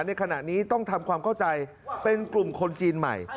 ในขณะนี้ต้องทำความเข้าใจเป็นกลุ่มคนจีนใหม่